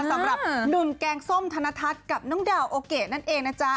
สำหรับหนุ่มแกงส้มธนทัศน์กับน้องดาวโอเกะนั่นเองนะจ๊ะ